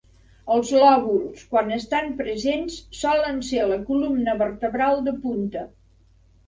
Els lòbuls, quan estan presents, solen ser la columna vertebral de punta.